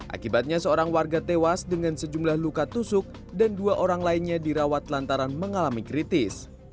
akibatnya seorang warga tewas dengan sejumlah luka tusuk dan dua orang lainnya dirawat lantaran mengalami kritis